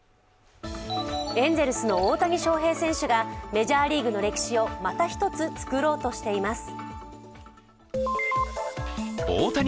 エンゼルスの大谷翔平選手がメジャーリーグの歴史をまた一つ作ろうとしています。